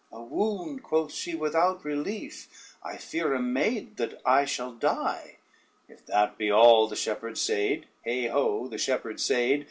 "A wound," quoth she, "without relief, I fear a maid that I shall die." "If that be all," the shepherd said, heigh ho, the shepherd said!